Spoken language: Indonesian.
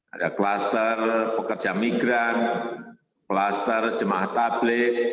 ada klaster pekerja migran klaster jemaah tablik